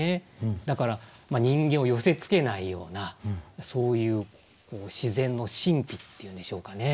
だから人間を寄せつけないようなそういう自然の神秘っていうんでしょうかね。